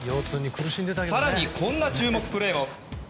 更に、こんな注目プレーも。